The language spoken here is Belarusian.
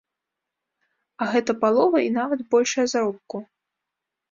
А гэта палова і нават большая заробку.